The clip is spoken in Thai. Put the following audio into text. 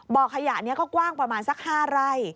บ่อขยะนี้ก็กว้างประมาณสัก๕ไร่